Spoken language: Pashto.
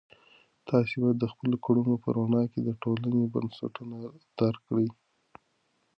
تاسې باید د خپلو کړنو په رڼا کې د ټولنې بنسټونه درک کړئ.